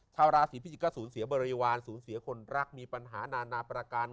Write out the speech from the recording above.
ชาวราศีพิจิกก็สูญเสียบริวารสูญเสียคนรักมีปัญหานานาประการ